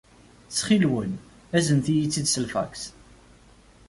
Ttxil-wen, aznet-iyi-t-id s lfaks.